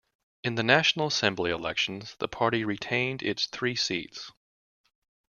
In the National Assembly elections, the party retained its three seats.